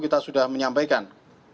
kita sudah menyampaikan